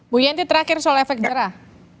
bu yenti terakhir soal efek jerah